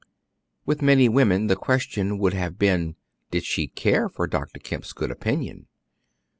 With many women the question would have been, did she care for Dr. Kemp's good opinion?